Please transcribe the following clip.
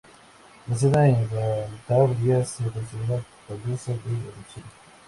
Nacida en Cantabria, se considera andaluza de adopción.